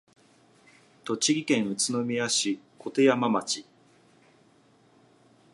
栃木県宇都宮市鐺山町